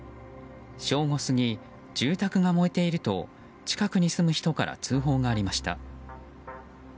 正午過ぎ、住宅が燃えていると近くに住む人から通報がありました。